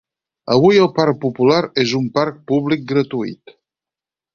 Avui, el Parc Popular és un parc públic gratuït.